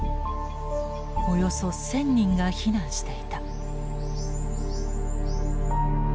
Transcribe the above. およそ１，０００人が避難していた。